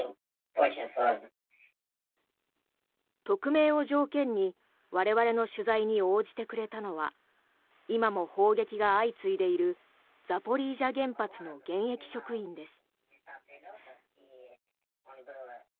匿名を条件に我々の取材に応じてくれたのは今も砲撃が相次いでいるザポリージャ原発の現役職員です。